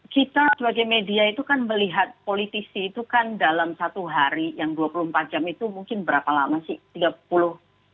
kita sebagai media itu kan melihat politisi itu kan dalam satu hari yang dua puluh empat jam itu mungkin berapa lama sih